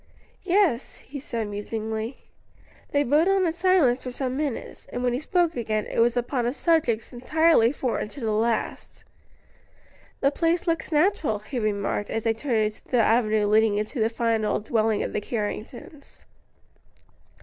"Yes," he said musingly. They rode on in silence for some minutes, and when he spoke again, it was upon a subject entirely foreign to the last. "The place looks natural," he remarked, as they turned into the avenue leading to the fine old dwelling of the Carringtons.